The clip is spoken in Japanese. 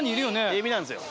エビなんですよ